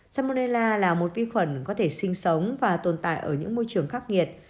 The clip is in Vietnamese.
salmonella là một vi khuẩn có thể sinh sống và tồn tại ở những môi trường khắc nghiệt